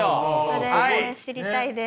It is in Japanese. それ知りたいです。